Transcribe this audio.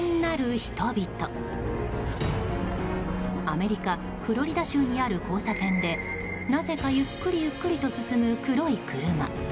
アメリカ・フロリダ州にある交差点でなぜか、ゆっくりゆっくりと進む黒い車。